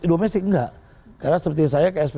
domestik enggak karena seperti saya ksp